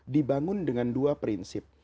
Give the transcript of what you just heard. dibangun dengan dua prinsip